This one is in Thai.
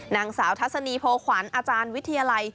นางสาวทัศนีโพขวัญอาจารย์วิทยาลัย